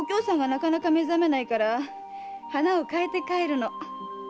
なかなか目覚めないから花を替えて帰るの。